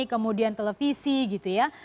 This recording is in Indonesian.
kemudian televisi gitu ya